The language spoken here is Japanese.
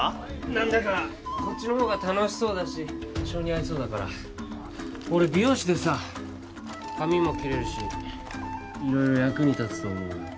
何だかこっちの方が楽しそうだし性に合いそうだから俺美容師でさ髪も切れるし色々役に立つと思うよ